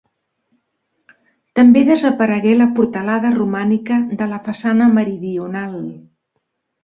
També desaparegué la portalada romànica de la façana meridional.